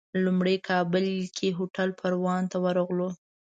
لومړی کابل کې هوټل پروان ته ورغلو.